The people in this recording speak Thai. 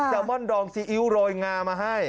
แซลมอนดองซีอิ้วรอยมาให้